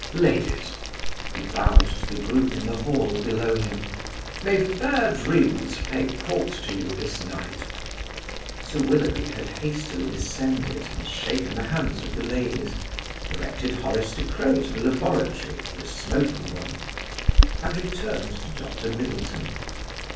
Ladies," he bowed to the group in the hall below him, "may fair dreams pay court to you this night!" Sir Willoughby had hastily descended and shaken the hands of the ladies, directed Horace De Craye to the laboratory for a smoking room, and returned to Dr. Middleton.